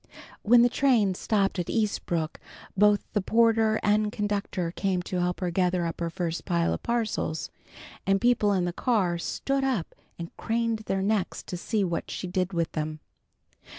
When the train stopped at Eastbrook, both the porter and conductor came to help her gather up her first pile of parcels, and people in the car stood up and craned their necks to see what she did with them.